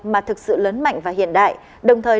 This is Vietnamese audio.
mà thực sự lớn mạnh và hiện đại đồng thời